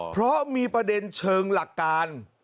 เพราะมีประเด็นเชิงหลักการ